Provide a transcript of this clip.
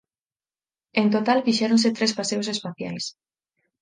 En total fixéronse tres paseos espaciais.